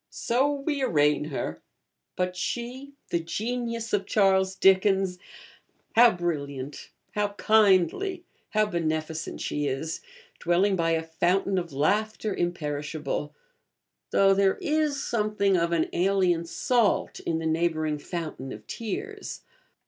'So we arraign her; but she,' the Genius of Charles Dickens, how brilliant, how kindly, how beneficent she is! dwelling by a fountain of laughter imperishable; though there is something of an alien salt in the neighbouring fountain of tears.